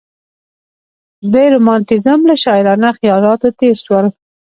د رومانتیزم له شاعرانه خیالاتو تېر شول.